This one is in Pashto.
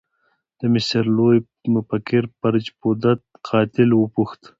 د مصري لوی مفکر فرج فوده قاتل وپوښت.